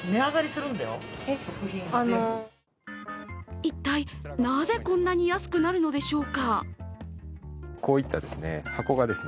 一体、なぜこんなに安くなるのでしょうか。